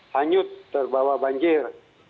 hanyut terbawa banjir